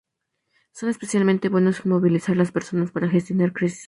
Son especialmente buenos en movilizar a las personas para gestionar crisis.